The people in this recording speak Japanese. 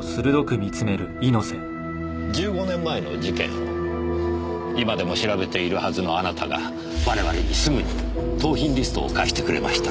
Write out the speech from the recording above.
１５年前の事件を今でも調べているはずのあなたが我々にすぐに盗品リストを貸してくれました。